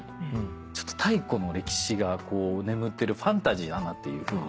ちょっと太古の歴史がこう眠ってるファンタジーだなっていうふうに。